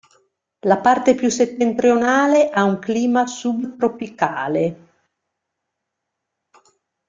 La parte più settentrionale ha un clima subtropicale.